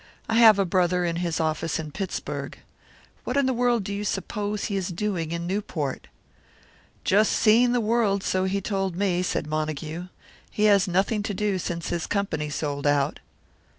"I have a brother in his office in Pittsburg. What in the world do you suppose he is doing in Newport?" "Just seeing the world, so he told me," said Montague. "He has nothing to do since his company sold out."